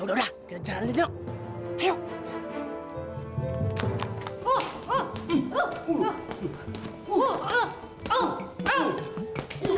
udah udah kita jalan aja yuk ayo